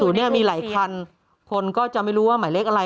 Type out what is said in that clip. เนี่ยมีหลายคันคนก็จะไม่รู้ว่าหมายเลขอะไร